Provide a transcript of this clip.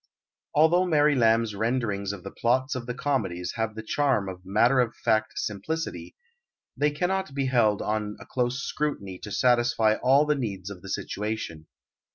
Although Mary Lamb's renderings of the plots of the comedies have the charm of matter of fact simplicity, they cannot be held on a close scrutiny to satisfy all the needs of the situation.